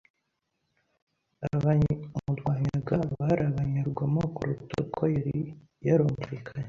Abamurwanyaga bari abanyarugomo kuruta uko yari yarumvikanye.